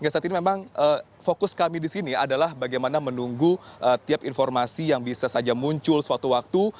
saat ini memang fokus kami di sini adalah bagaimana menunggu tiap informasi yang bisa saja muncul suatu waktu